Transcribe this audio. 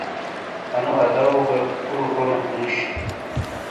انو ادو گہ کُورو کرومیک نُش۔